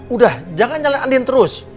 udah jangan nyala andin terus